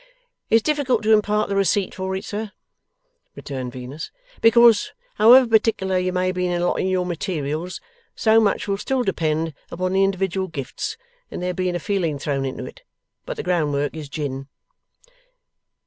'It's difficult to impart the receipt for it, sir,' returned Venus, 'because, however particular you may be in allotting your materials, so much will still depend upon the individual gifts, and there being a feeling thrown into it. But the groundwork is gin.